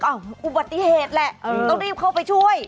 อุบัติเหตุแหละต้องรีบเข้าไปช่วย